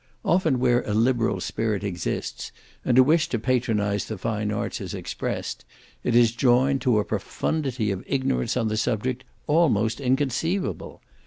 Often where a liberal spirit exists, and a wish to patronise the fine arts is expressed, it is joined to a profundity of ignorance on the subject almost inconceivable.